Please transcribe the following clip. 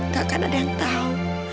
tak akan ada yang tahu